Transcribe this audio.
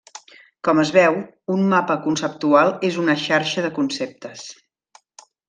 Com es veu, un mapa conceptual és una xarxa de conceptes.